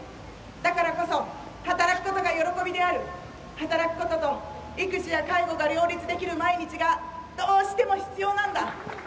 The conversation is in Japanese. だからこそ働くことが喜びである働くことと育児や介護が両立できる毎日がどうしても必要なんだ。